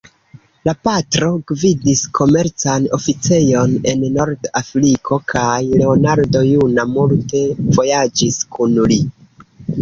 La patro gvidis komercan oficejon en Nord-Afriko kaj Leonardo juna multe vojaĝis kun li.